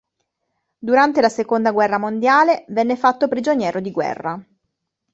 Durante la Seconda Guerra Mondiale, venne fatto prigioniero di guerra.